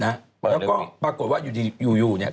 แล้วก็ปรากฏว่าอยู่เนี่ย